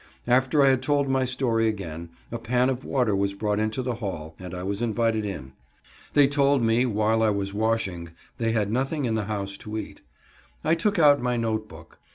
After I had told my story again a pan of water was brought into the hall and I was invited in. They told me, while I was washing, they had nothing in the house to eat. I took out my note book.